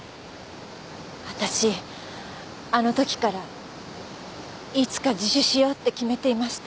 私あのときからいつか自首しようって決めていました。